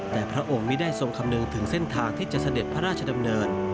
แต่พระองค์ไม่ได้ทรงคำนึงถึงเส้นทางที่จะเสด็จพระราชดำเนิน